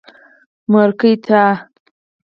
مورکۍ تا.